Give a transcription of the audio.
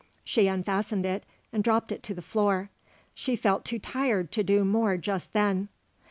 She unfastened it and dropped it to the floor. She felt too tired to do more just then.